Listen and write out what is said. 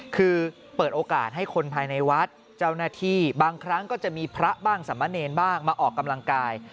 คือเปิดโอกาสให้คนภายในวัดเจ้าหน้าที่บางครั้งก็จะมีพระบ้างสมเนรบ้างมาออกกำลังกาย